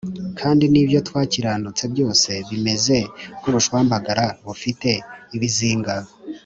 kandi n’ibyo twakiranutse byose bimeze nk’ubushwambagara bufite ibizinga